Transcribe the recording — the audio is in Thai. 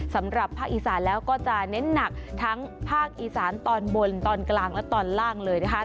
สำหรับภาคอีสานแล้วก็จะเน้นหนักทั้งภาคอีสานตอนบนตอนกลางและตอนล่างเลยนะคะ